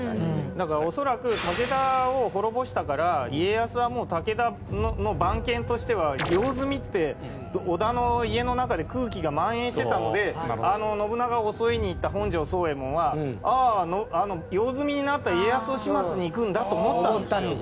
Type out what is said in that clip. だから恐らく武田を滅ぼしたから家康はもう武田の番犬としては用済みって織田の家の中で空気が蔓延してたので信長を襲いに行った本城惣右衛門はあああの用済みになった家康を始末に行くんだと思ったんですよ。